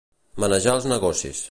Manejar els negocis.